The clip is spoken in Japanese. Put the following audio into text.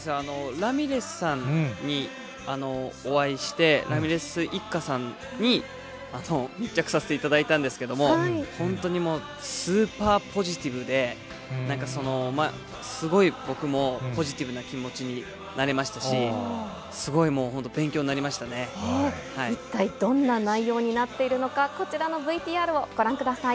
ラミレスさんにお会いして、ラミレス一家さんに密着させていただいたんですけれども、本当にもう、スーパーポジティブで、なんかその、すごい僕もポジティブな気持ちになれましたし、すごい本当、一体どんな内容になっているのか、こちらのＶＴＲをご覧ください。